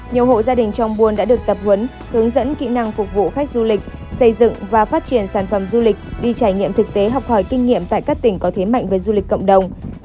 nhiều hộ gia đình trong buôn đã được tập huấn hướng dẫn kỹ năng phục vụ khách du lịch xây dựng và phát triển sản phẩm du lịch đi trải nghiệm thực tế học hỏi kinh nghiệm tại các tỉnh có thế mạnh về du lịch cộng đồng